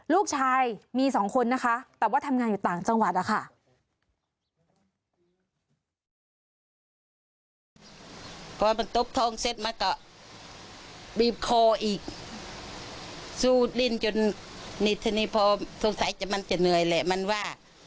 ลูกชายมีสองคนนะคะแต่ว่าทำงานอยู่ต่างจังหวัดนะคะ